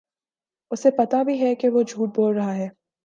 اُسے پتہ بھی ہے کہ وہ جھوٹ بول رہا ہے